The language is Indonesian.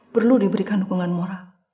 perlu diberikan hukuman mora